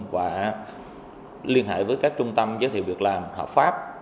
và liên hệ với các trung tâm giới thiệu việc làm hợp pháp